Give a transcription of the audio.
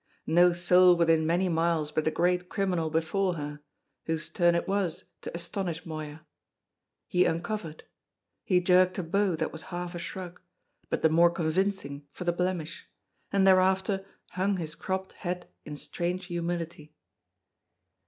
No soul within many miles but the great criminal before her, whose turn it was to astonish Moya. He uncovered; he jerked a bow that was half a shrug, but the more convincing for the blemish; and thereafter hung his cropped head in strange humility.